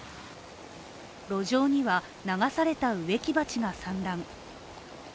路上には、流された植木鉢が散乱。